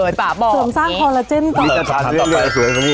ได้โยคก็ได้